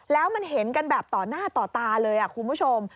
แล้วมันเห็นกันแบบต่อหน้าต่อตาเลยคุณผู้ชม